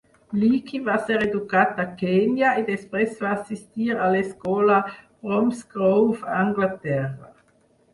Leakey va ser educat a Kenya, i després va assistir a l'escola Bromsgrove a Anglaterra.